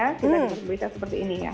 kita dengar berita seperti ini ya